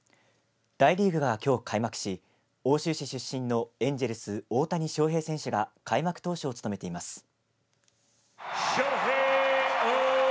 大リーグが、きょう開幕し奥州市出身のエンジェルス大谷翔平選手が開幕投手を務めています。